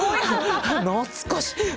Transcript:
懐かしい。